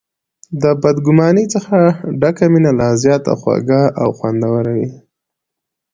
د بد ګمانۍ څخه ډکه مینه لا زیاته خوږه او خوندوره وي.